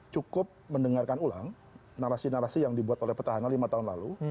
cukup mendengarkan ulang narasi narasi yang dibuat oleh petahana lima tahun lalu